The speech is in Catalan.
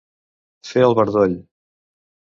Fer el bardoll.